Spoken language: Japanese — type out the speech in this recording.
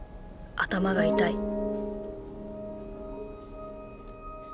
頭が痛い。